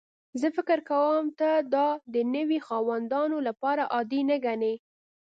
زه فکر کوم ته دا د نوي خاوندانو لپاره عادي نه ګڼې